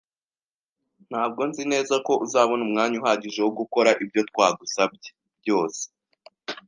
Ntabwo nzi neza ko uzabona umwanya uhagije wo gukora ibyo twagusabye byose.